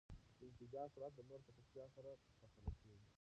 د انفجار سرعت د نور د چټکتیا سره پرتله کېږی.